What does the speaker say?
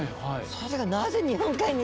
それがなぜ日本海に？